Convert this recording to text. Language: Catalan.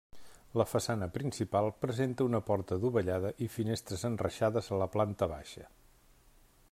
La façana principal presenta una porta adovellada i finestres enreixades a la planta baixa.